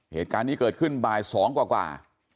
เหตุการณ์นี้เกิดขึ้นบ่าย๒กว่า